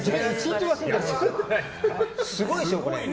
すごいでしょ、これ。